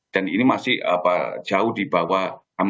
dan ini masih jauh di bawah empat puluh lima